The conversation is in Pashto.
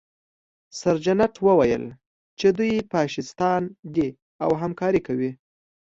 سرجنټ وویل چې دوی فاشیستان دي او همکاري کوي